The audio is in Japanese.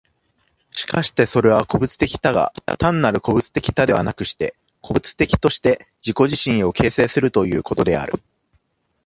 しかしてそれは個物的多が、単なる個物的多ではなくして、個物的として自己自身を形成するということである。